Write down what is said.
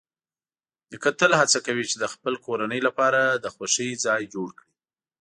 نیکه تل هڅه کوي چې د خپل کورنۍ لپاره د خوښۍ ځای جوړ کړي.